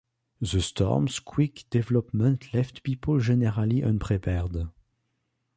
The storm's quick development left people generally unprepared.